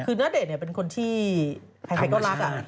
คือนาเดเนี่ยเป็นคนที่ใครก็รักอะ